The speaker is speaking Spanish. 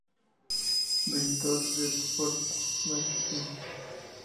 Bristol Beaufort Mk I